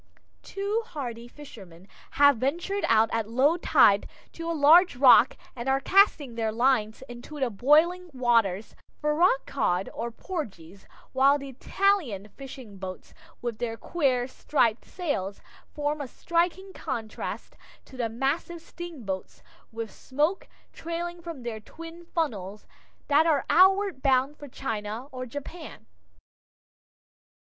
Two hardy fishermen have ventured out at low tide to a large rock and are casting their lines into the boiling waters for rock cod or porgies, while the Italian fishing boats, with their queer striped sails, form a striking contrast to the massive steamboats, with smoke trailing from their twin funnels, that are outward bound for China or Japan.